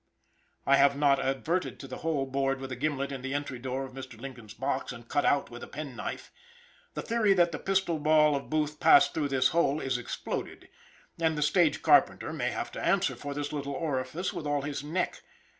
I have not adverted to the hole bored with a gimlet in the entry door of Mr. Lincoln's box, and cut out with a penknife. The theory that the pistol ball of Booth passed through this hole is exploded. And the stage carpenter may have to answer for this little orifice with all his neck.